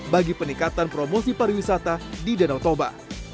bagi peningkatan promosi pariwisata di danau toba